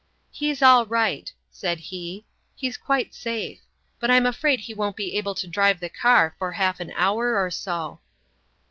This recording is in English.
"He's all right," said he; "he's quite safe. But I'm afraid he won't be able to drive the car for half an hour or so."